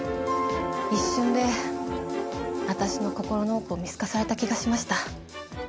一瞬で私の心の奥を見透かされた気がしました。